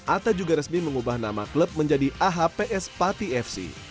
atta juga resmi mengubah nama klub menjadi ahps pati fc